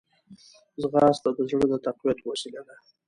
ځغاسته د زړه د تقویت وسیله ده